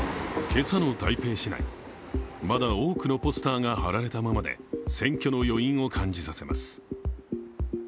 今朝の台北市内、まだ多くのポスターが貼られたままで選挙の余韻を感じさせます。